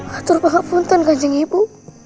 hathor pangapun tenggajeng ibu